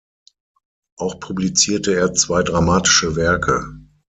Auch publizierte er zwei dramatische Werke.